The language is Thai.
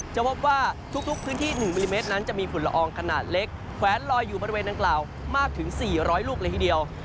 จะพบว่าทุกพื้นที่๑มิลลิเมตรนั้นจะมีฝุ่นละอองขนาดเล็กแขวนลอยอยู่บริเวณดังกล่าวมากถึง๔๐๐ลูกเลยทีเดียว